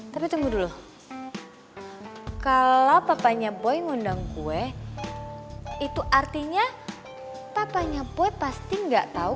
tapi tunggu dulu kalau papanya boy ngundang gue itu artinya papanya boy pasti gak tau